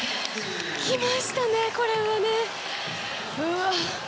来ましたね、これはね！